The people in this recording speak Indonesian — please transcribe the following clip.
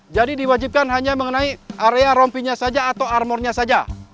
jadi diwajibkan hanya mengenai area rompinya saja atau armornya saja